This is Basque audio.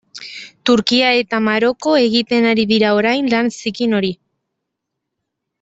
Turkia eta Maroko egiten ari dira orain lan zikin hori.